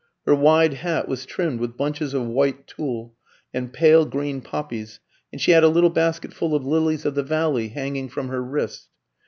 Her wide hat was trimmed with bunches of white tulle and pale green poppies, and she had a little basket full of lilies of the valley hanging from her wrist.